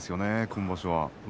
今場所は。